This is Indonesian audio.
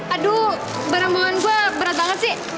aduh barang bawaan gue berat banget sih